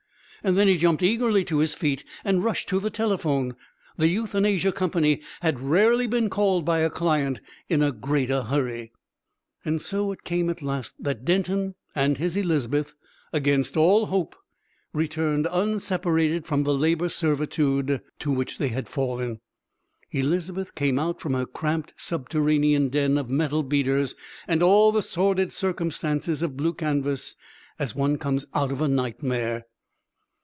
Then he jumped eagerly to his feet and rushed to the telephone. The Euthanasia Company had rarely been called by a client in a greater hurry. So it came at last that Denton and his Elizabeth, against all hope, returned unseparated from the labour servitude to which they had fallen. Elizabeth came out from her cramped subterranean den of metal beaters and all the sordid circumstances of blue canvas, as one comes out of a nightmare.